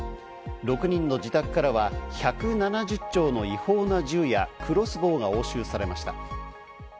６人の自宅からは１７０丁の違法な銃やクロスボウが押収されました。